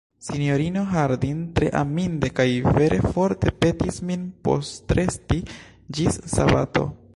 Sinjorino Harding tre aminde kaj vere forte petis min postresti ĝis sabato.